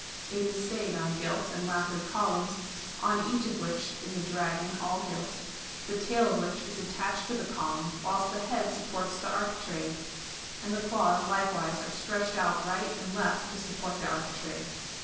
[It is stayed on gilt and lackered columns, on each of which is a dragon all gilt, the tail of which is attached to the column whilst the head supports the architrave, and the claws likewise are stretched out right and left to support the architrave.